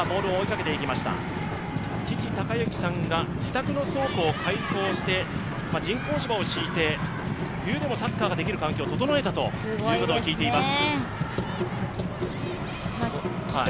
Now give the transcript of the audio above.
父・貴幸さんが自宅の倉庫を改装して人工芝を敷いて、冬でもサッカーができる環境を整えたと聞いています。